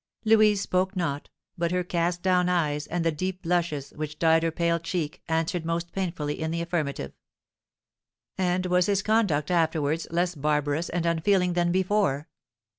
Louise spoke not, but her cast down eyes, and the deep blushes which dyed her pale cheek, answered most painfully in the affirmative. "And was his conduct afterwards less barbarous and unfeeling than before?"